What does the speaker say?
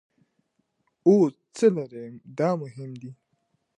اوس څه لرئ دا مهم دي.